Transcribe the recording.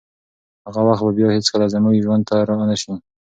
هغه وخت به بیا هیڅکله زموږ ژوند ته رانشي.